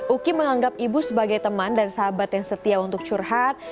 uki menganggap ibu sebagai teman dan sahabat yang setia untuk curhat